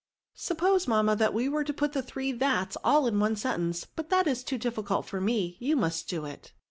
Sup pose, mamma, that we were to put the three thats all in one sentence; but that is too difficult for me, you must do it."